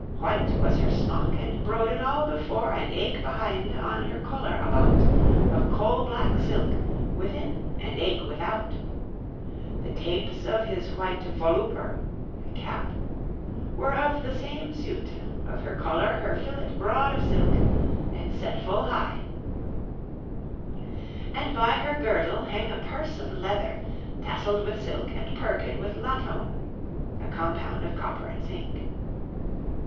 Whyt was hir smok and brouded al before And eek behinde, on hir coler aboute, Of col blak silk, within and eek withoute. The tapes of his whyte voluper (a cap) Were of the same suyte of hir coler; Hir filet broad of silk, and set ful hye. And by hir girdel heeng a purs of lether Tasseld with silk and perked with latoun (a compound of copper and zinc).